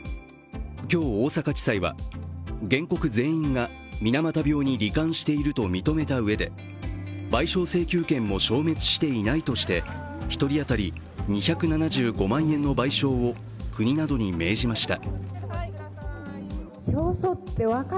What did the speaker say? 今日、大阪地裁は原告全員が水俣病にり患していると認めた上で、賠償請求権も消滅していないとして１人当たり２７５万円の賠償を国などに命じました。